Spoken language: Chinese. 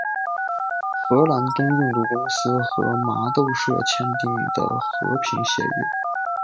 荷兰东印度公司和麻豆社签订的和平协约。